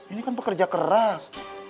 ini kan pekerja keras